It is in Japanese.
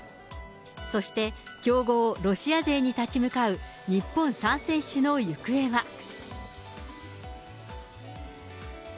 そして、強豪、ロシア勢に立ち向かう日本３選手の行方は。